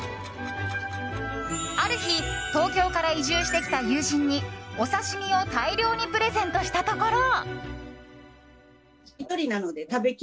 ある日東京から移住してきた友人にお刺し身を大量にプレゼントしたところ。